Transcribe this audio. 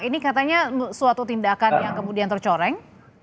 ini katanya suatu tindakan yang kemudian tercoreng